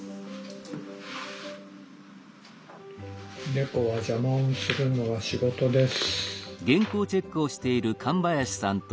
猫は邪魔をするのが仕事です。